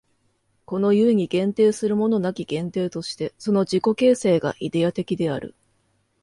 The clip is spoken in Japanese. この故に限定するものなき限定として、その自己形成がイデヤ的である。